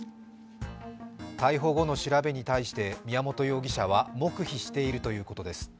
逮捕後の調べに対して宮本容疑者は黙秘しているということです。